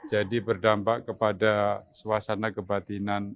jadi berdampak kepada suasana kebatinan